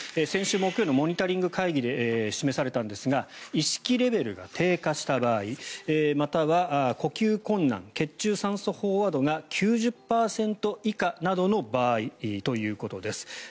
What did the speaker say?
先週木曜日のモニタリング会議で示されたんですが意識レベルが低下した場合または呼吸困難血中酸素飽和度が９０％以下などの場合ということです。